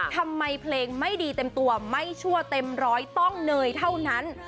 ทำไมเพลงไม่ดีเต็มตัวไม่ชั่วเต็มร้อยต้องเนยเท่านั้น